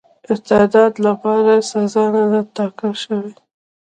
ارتداد لپاره سزا نه ده ټاکله سوې.